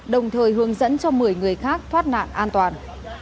đồng thời hướng dẫn cho một mươi người khác thoát nạn an toàn